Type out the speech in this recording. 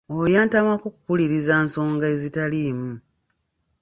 Oyo yantamako kukuliriza nsonga ezitaliimu.